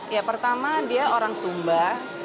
ya pertama dia orang sumba